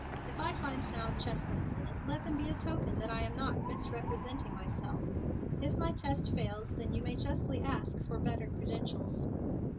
If I find sound chestnuts in it, let them be a token that I am not misrepresenting myself. If my test fails, then you may justly ask for better credentials."